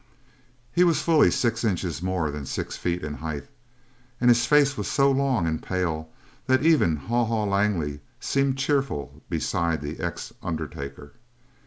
He was fully six inches more than six feet in height and his face was so long and pale that even Haw Haw Langley seemed cheerful beside the ex undertaker.